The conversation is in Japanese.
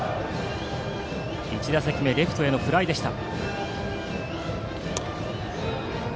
１打席目レフトへのフライでした。